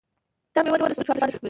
دا میوه د ستوني وچوالی ختموي.